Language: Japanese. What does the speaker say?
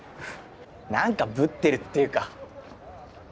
何かぶってるっていうか。